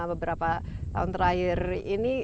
beberapa tahun terakhir ini